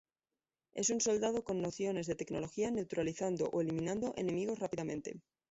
Es un soldado con nociones de tecnología, neutralizando o eliminando enemigos rápidamente.